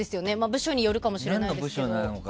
部署によるかもしれないですけど。